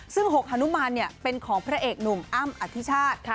ซึ่ง๖ฮานุมานเป็นของพระเอกหนุ่มอ้ำอธิชาติ